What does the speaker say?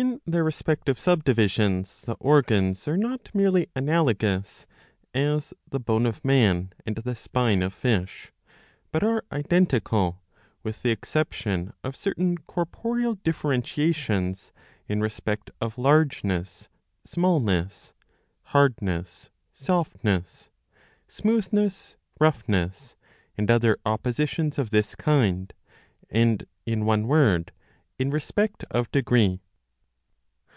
In their respective subdivisions the organs are not merely analogous, as the bone of man and the spine of fish, but • are identical, with the exception of certain corporeal differentiations in respect of largeness smallness, hardness softness, smoothness roughness, and other oppositions of this kind, and, in one word, in respect of degree.